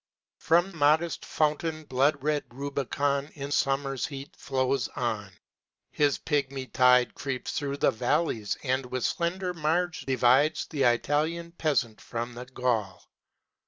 From modest fountain blood red Rubicon In summer's heat flows on; his pigmy tide Creeps through the valleys and with slender marge Divides the Italian peasant from the Gaul.